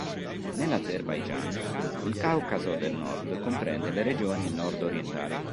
Nell'Azerbaigian, il Caucaso del nord comprende le regioni nord-orientali.